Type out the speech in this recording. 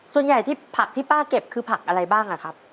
ส่วนใหญ่ที่ผักที่ป้าเก็บคือผักอะไรบ้างอะครับ